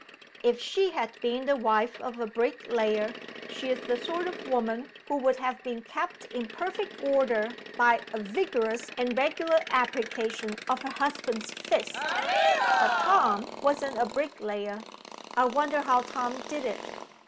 If she had been the wife of a bricklayer, she is the sort of woman who would have been kept in perfect order by a vigorous and regular application of her husband's fist. But Tom wasn't a bricklayer. I wonder how Tom did it?"